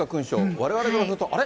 われわれからすると、あれ？